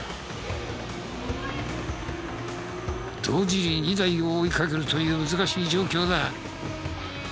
同時に２台を追いかけるという難しい状況だ。